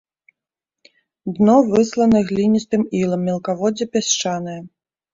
Дно выслана гліністым ілам, мелкаводдзе пясчанае.